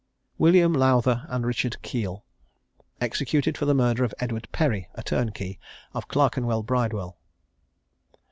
WILLIAM LOWTHER AND RICHARD KEELE. EXECUTED FOR THE MURDER OF EDWARD PERRY, A TURNKEY OF CLERKENWELL BRIDEWELL.